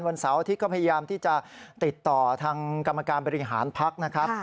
เสาร์อาทิตย์ก็พยายามที่จะติดต่อทางกรรมการบริหารพักนะครับ